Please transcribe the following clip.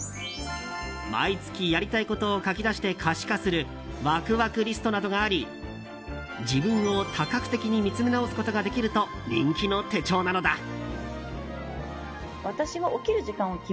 毎月やりたいことを書き出して可視化するワクワクリストなどがあり自分を多角的に見つめ直すことができると人気の手帳なのだ。